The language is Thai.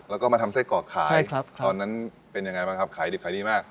แล้วก็มาทำไส้กรอกขายตอนนั้นเป็นยังไงบ้างครับขายดิบขายดีมาก